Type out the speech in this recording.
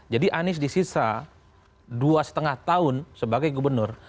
jadi anies disisa dua lima tahun sebagai gubernur